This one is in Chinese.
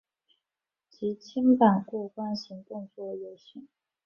即清版过关型动作游戏。